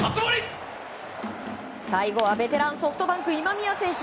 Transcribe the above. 最後はベテランソフトバンク、今宮選手